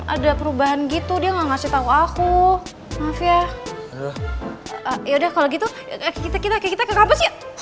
ada perubahan gitu dia nggak ngasih tahu aku maaf ya ya udah kalau gitu kita kita kita